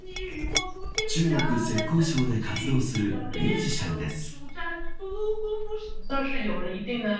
中国、浙江省で活動するミュージシャンです。